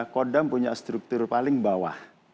kodam punya struktur paling bawah